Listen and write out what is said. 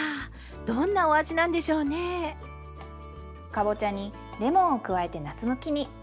かぼちゃにレモンを加えて夏向きに。